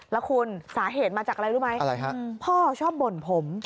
แล้วคุณสาเหตุมาจากอะไรรู้ไหม